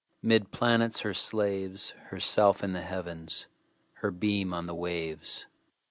'Mid planets her slaves, Herself in the Heavens, Her beam on the waves.